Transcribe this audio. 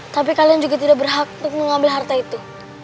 tapi kalian juga tidak berhak untuk mengambil harta itu